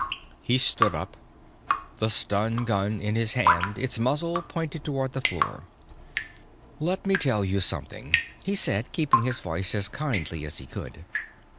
He stood up, the stun gun in his hand, its muzzle pointed toward the floor. "Let me tell you something," he said, keeping his voice as kindly as he could.